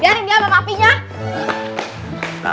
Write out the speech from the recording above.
biarin dia bapak apinya